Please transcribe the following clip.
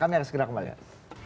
kami harus gerak gerak